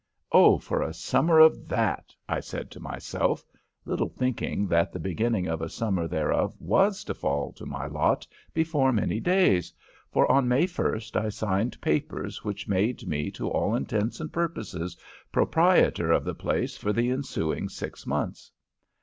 'Oh, for a summer of that!' I said to myself, little thinking that the beginning of a summer thereof was to fall to my lot before many days for on May 1st I signed papers which made me to all intents and purposes proprietor of the place for the ensuing six months.